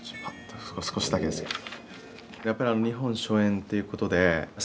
少しだけですけど。